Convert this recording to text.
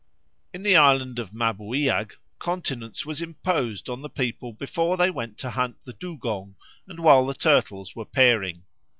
In the island of Mabuiag continence was imposed on the people both before they went to hunt the dugong and while the turtles were pairing.